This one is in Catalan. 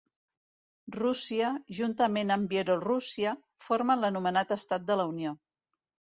Rússia, juntament amb Bielorússia, formen l'anomenat estat de la Unió.